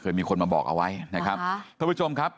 มีคนมาบอกเอาไว้นะครับท่านผู้ชมครับ